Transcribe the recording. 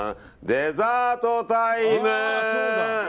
デザートタイム！